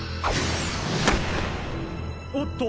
おっと！